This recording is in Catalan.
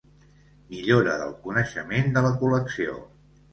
Millora del coneixement de la col·lecció.